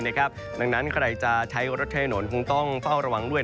ดังนั้นใครจะใช้รถใช้ถนนคงต้องเฝ้าระวังด้วย